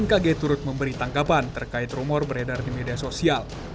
bmkg turut memberi tangkapan terkait rumor beredar di media sosial